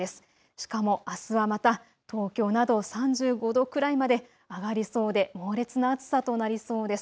しかもあすはまた東京など３５度くらいまで上がりそうで猛烈な暑さとなりそうです。